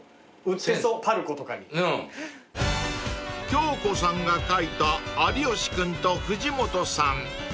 ［京子さんが描いた有吉君と藤本さん］